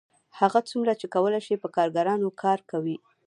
هغه څومره چې کولی شي په کارګرانو کار کوي